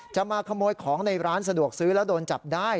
จะมาขโมยของในร้านสะดวกซื้อแล้วโดนจับได้